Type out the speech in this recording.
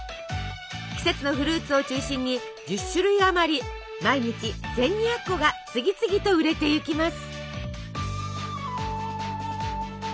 季節のフルーツを中心に１０種類あまり毎日１，２００個が次々と売れていきます。